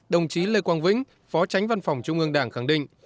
đồng chí lê quang vĩnh phó tránh văn phòng trung ương đảng khẳng định